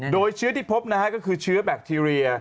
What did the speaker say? โดยเชื้อที่พบนะฮะก็คือเชื้อแบคทีเรีย